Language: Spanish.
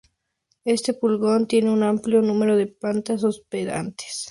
Este pulgón tiene un amplio número de plantas hospedantes.